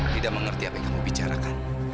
tidak mengerti apa yang kamu bicarakan